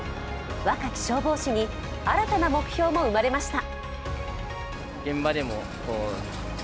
若き消防士に新たな目標も生まれました。